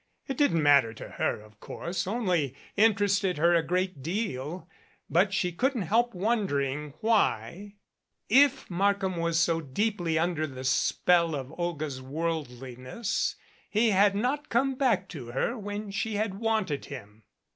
It didn't matter to her, of course, only interested her a great deal, but she couldn't help wondering why, if Markham was so deeply under the spell of Olga's worldliness, he had not come back to her when she had wanted him.